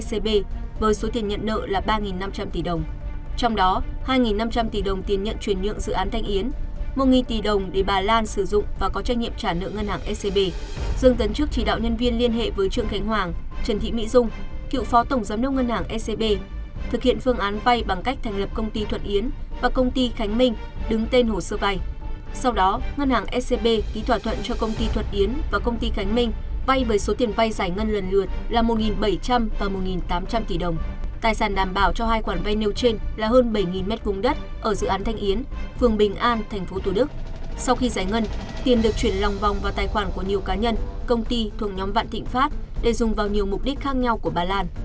sau khi giải ngân tiền được chuyển lòng vòng vào tài khoản của nhiều cá nhân công ty thuộc nhóm vạn thịnh pháp để dùng vào nhiều mục đích khác nhau của bà lan